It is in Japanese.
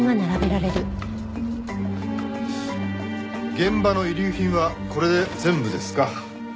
現場の遺留品はこれで全部ですか？